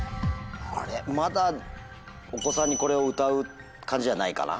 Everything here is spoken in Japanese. まだお子さんにこれを歌う感じじゃないかな？